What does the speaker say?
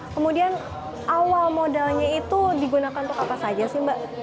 kemudian awal modalnya itu digunakan untuk apa saja sih mbak